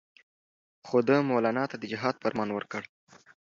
خو ده مولنا ته د جهاد فرمان ورکړ.